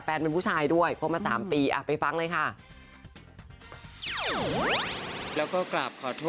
เป็นผู้ชายด้วยคบมา๓ปีไปฟังเลยค่ะ